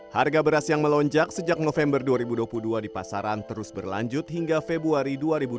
harga beras yang melonjak sejak november dua ribu dua puluh dua di pasaran terus berlanjut hingga februari dua ribu dua puluh